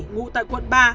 ngụ tại quận ba